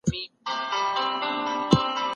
روښانه فکر شخړه نه خپروي.